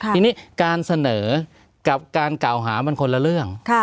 ทีนี้การเสนอกับการกล่าวหามันคนละเรื่อง